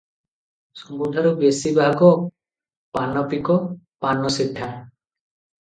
ସବୁଠାରୁ ବେଶି ଭାଗ ପାନପିକ, ପାନସିଠା ।